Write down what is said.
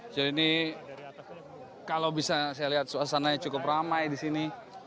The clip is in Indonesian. jadi ini kalau bisa saya lihat suasananya cukup ramai di sini